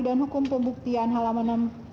dan hukum pembuktian halaman enam puluh enam